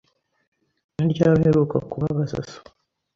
Ni ryari uheruka kubabaza so?